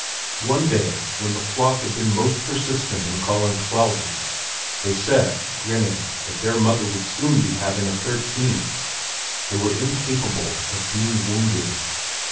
One day when the flock had been most persistent in calling "Twelvins!" they said, grinning, that their mother would soon be having a thirteenth. They were incapable of being wounded.